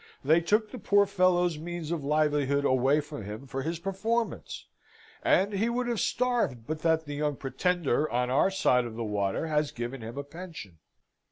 They took the poor fellow's means of livelihood away from him for his performance; and he would have starved, but that the young Pretender on our side of the water has given him a pension."